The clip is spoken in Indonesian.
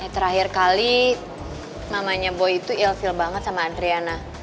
terakhir kali mamanya boy itu ilfil banget sama adriana